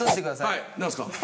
はい何すか？